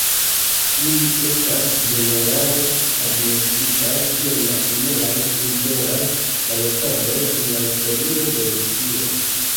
Ili estas ĝenerale agnoskitaj kiel la unuaj liberaj balotadoj en la historio de Rusio.